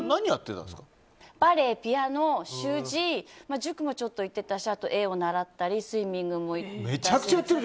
バレエ、ピアノ、習字塾もちょっと行ってたし、絵を習ったりスイミングも行ったり。